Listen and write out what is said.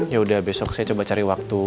ya udah besok saya coba cari waktu